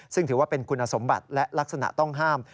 ซึ่งถือว่าเป็นคุณสมบัติและลักษณะต้องห้าม